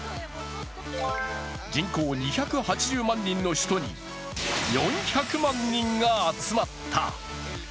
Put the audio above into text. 人口２８０万人の首都に４００万人が集まった。